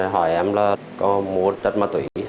hỏi em là có mua tất ma túy